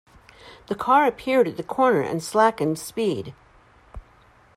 The car appeared at the corner and slackened speed.